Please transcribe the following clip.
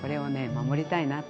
守りたいなと。